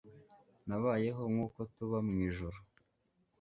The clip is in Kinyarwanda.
nabayeho nkuko tuba mwijuru